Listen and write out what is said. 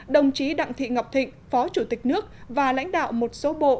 đồng chí đặng thị ngọc thịnh phó chủ tịch nước và lãnh đạo một số bộ